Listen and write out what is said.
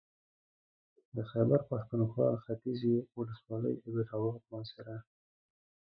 د خېبر پښتونخوا ختيځې ولسوالۍ اېبټ اباد مانسهره